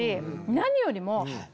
何よりも。